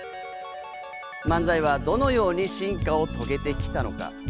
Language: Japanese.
漫才はどのように進化を遂げてきたのか。